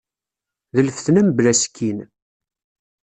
D lfetna mebla asekkin.